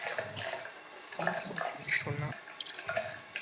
কথা বল সোনা!